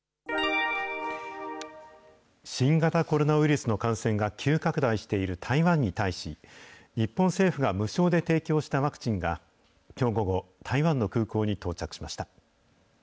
新型コロナウイルスの感染が急拡大している台湾に対し、日本政府が無償で提供したワクチンが、きょう午後、台湾の空港に到着しました。